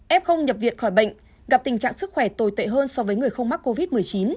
f không nhập viện khỏi bệnh gặp tình trạng sức khỏe tồi tệ hơn so với người không mắc covid một mươi chín